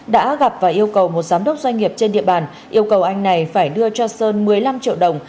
đã gặp và yêu cầu một giám đốc doanh nghiệp trên địa bàn yêu cầu anh này phải đưa cho sơn một mươi năm triệu đồng